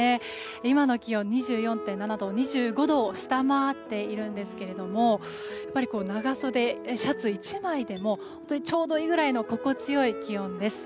今の気温、２４．７度と２５度を下回っているんですけれども長袖シャツ１枚でもちょうどいいくらいの心地よい気温です。